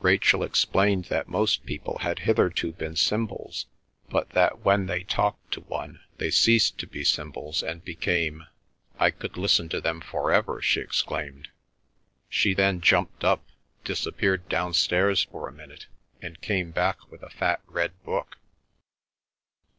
Rachel explained that most people had hitherto been symbols; but that when they talked to one they ceased to be symbols, and became—"I could listen to them for ever!" she exclaimed. She then jumped up, disappeared downstairs for a minute, and came back with a fat red book.